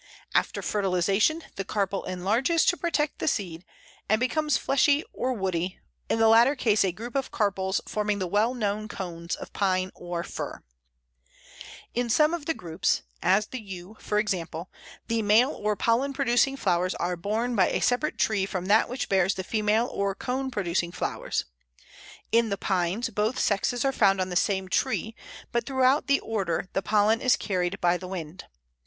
After fertilization the carpel enlarges to protect the seed, and becomes fleshy or woody, in the latter case a group of carpels forming the well known cones of Pine or Fir. [Illustration: Pl. 73. Yew.] In some of the groups (as the Yew, for example) the male or pollen producing flowers are borne by a separate tree from that which bears the female or cone producing flowers. In the Pines both sexes are found on the same tree; but throughout the order the pollen is carried by the wind.